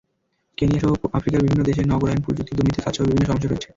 কেনিয়াসহ আফ্রিকার বিভিন্ন দেশে নগরায়ণ, প্রযুক্তি, দুর্নীতি খাতসহ বিভিন্ন সমস্যা রয়েছে।